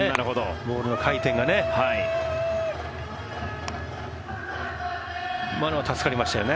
ボールの回転がね。